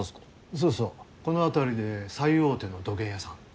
・そうそうこの辺りで最大手の土建屋さん。